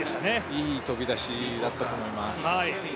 いい飛び出しだったと思います。